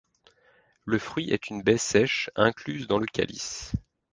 Le fruit est une baie sèche, incluse dans le calice.